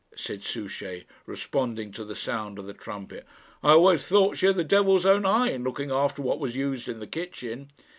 said Souchey, responding to the sound of the trumpet. "I always thought she had the devil's own eye in looking after what was used in the kitchen."